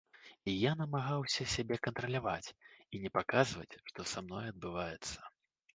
Я намагаўся сябе кантраляваць і не паказваць, што са мной адбываецца.